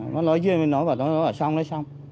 nó nói chưa hết nó bảo xong nó xong